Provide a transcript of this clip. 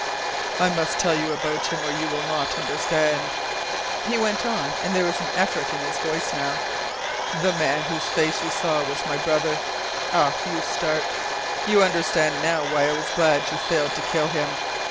"I must tell you about him or you will not understand," he went on, and there was effort in his voice now. "The man whose face you saw was my brother. Ah, you start! You understand now why I was glad you failed to kill him.